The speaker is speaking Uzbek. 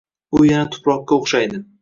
U yana tuproqqa o‘xshaydi.